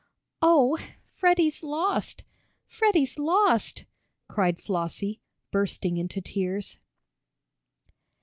"Oh, Freddie's lost! Freddie's lost!" cried Flossie, bursting into tears.